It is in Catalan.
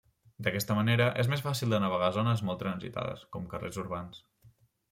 D'aquesta manera, és més fàcil de navegar zones molt transitades, com carrers urbans.